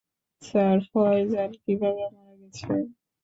Sir, Faizal কিভাবে মারা গেছে?